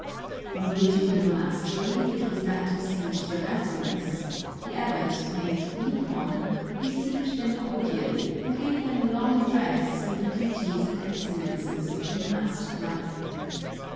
On reaching the monastery, which was that of St. Gerasimus, the abbot, named Nicon, received them cordially, and gave them a long address on the duties and excellences of the monastic life.